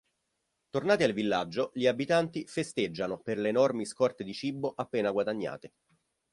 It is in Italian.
Tornati al villaggio, gli abitanti festeggiano per le enormi scorte di cibo appena guadagnate.